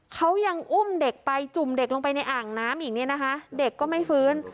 เขายังอุ้มเด็กไปจุ่มเด็กลงไปในอ่างน้ำอีกเนี่ยนะคะเด็กก็ไม่ฟื้น